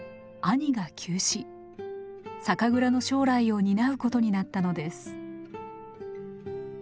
酒蔵の将来を担うことになったのです。